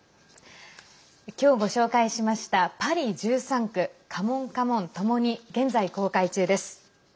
きょう、ご紹介しました「パリ１３区」「カモンカモン」ともに現在、公開中です。